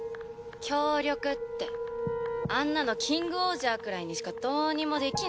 協力ってあんなのキングオージャーくらいにしかどうにもできないじゃない。